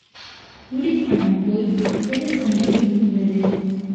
உறிப் பணம் போய்த் தெருச் சண்டை இழுக்கிறது.